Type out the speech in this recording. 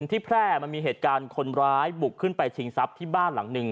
ที่แพร่มันมีเหตุการณ์คนร้ายบุกขึ้นไปชิงทรัพย์ที่บ้านหลังหนึ่ง